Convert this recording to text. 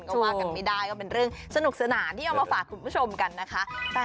ว่ากันไม่ได้ก็เป็นเรื่องสนุกสนานที่เอามาฝากคุณผู้ชมกันนะคะ